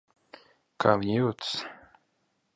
Kā viņa jūtas?